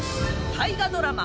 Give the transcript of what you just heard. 大河ドラマ